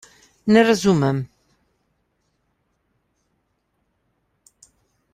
Ne razumem.